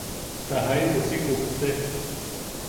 Ta jaibu si kupte.